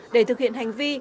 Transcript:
để thực hiện hành vi